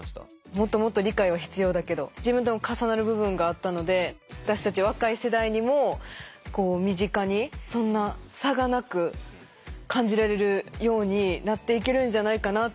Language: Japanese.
もっともっと理解は必要だけど自分とも重なる部分があったので私たち若い世代にもこう身近にそんな差がなく感じられるようになっていけるんじゃないかなって改めて今思いました。